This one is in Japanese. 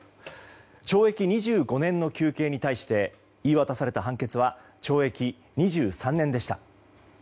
懲役２５年の求刑に対して言い渡された判決は懲役２３年でした。